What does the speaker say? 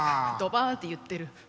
ドバって言ってる。